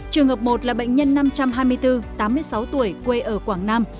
trường hợp một là bệnh nhân năm trăm hai mươi bốn tám mươi sáu tuổi quê ở quảng nam